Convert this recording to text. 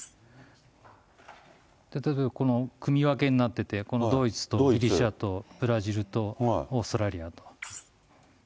例えばこの組み分けになってて、このドイツとギリシャとブラジルとオーストラリアと。